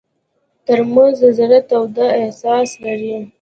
ترموز د زړه تود احساس لري.